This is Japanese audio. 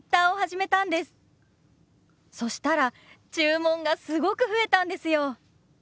そしたら注文がすごく増えたんですよ。